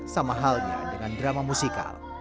sama halnya dengan drama musikal